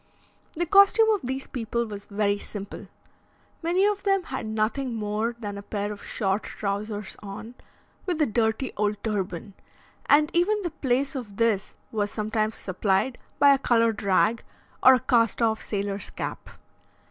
The costume of these people was very simple. Many of them had nothing more than a pair of short trousers on, with a dirty old turban, and even the place of this was sometimes supplied by a coloured rag, or a cast off sailor's cap.